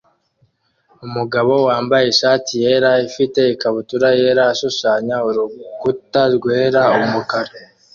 umugabo wambaye ishati yera ifite ikabutura yera ashushanya urukuta rwera umukara